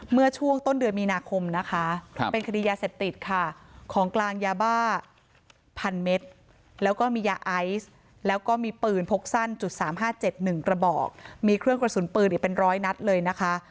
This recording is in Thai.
เมื่อช่วงต้นเดือนมีนาคมนะคะเป็นคดียาเสพติดค่ะของกลางยาบ้า๑๐๐เมตรแล้วก็มียาไอซ์แล้วก็มีปืนพกสั้น๓๕๗๑กระบอกมีเครื่องกระสุนปืนอีกเป็นร้อยนัดเลยนะคะ